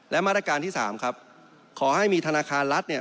และมาตรการที่สามครับขอให้มีธนาคารรัฐเนี่ย